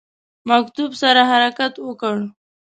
مکتوب سره حرکت وکړ.